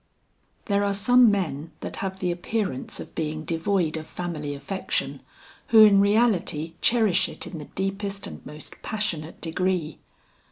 "There are some men that have the appearance of being devoid of family affection, who in reality cherish it in the deepest and most passionate degree.